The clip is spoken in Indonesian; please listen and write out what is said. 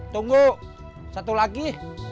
tunggu satu lagi